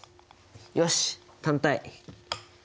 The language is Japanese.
よし単体。